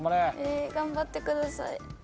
頑張ってください。